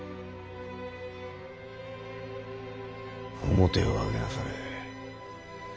面を上げなされ。